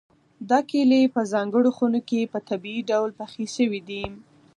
دا کیلې په ځانګړو خونو کې په طبیعي ډول پخې شوي دي.